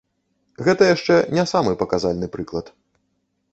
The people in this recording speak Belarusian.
Гэта яшчэ не самы паказальны прыклад.